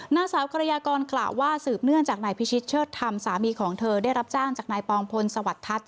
นางสาวกรยากรกล่าวว่าสืบเนื่องจากนายพิชิตเชิดธรรมสามีของเธอได้รับจ้างจากนายปองพลสวัสดิทัศน